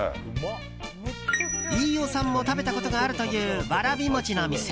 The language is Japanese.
飯尾さんも食べたことがあるという、わらび餅の店。